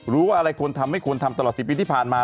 รู้ว่าอะไรควรทำไม่ควรทำตลอด๑๐ปีที่ผ่านมา